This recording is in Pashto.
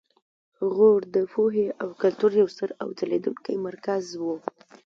غور د پوهې او کلتور یو ستر او ځلیدونکی مرکز و